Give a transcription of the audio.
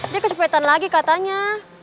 dia kecopetan lagi katanya